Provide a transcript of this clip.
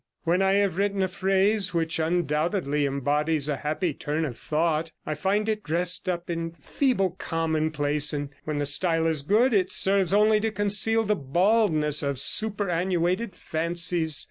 When I have written a phrase which undoubtedly embodies a happy turn of thought, I find it dressed up in feeble commonplace; and when the style is good, it serves only to conceal the baldness of superannuated fancies.